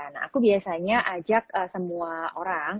nah aku biasanya ajak semua orang